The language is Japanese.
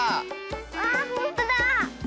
あほんとだ！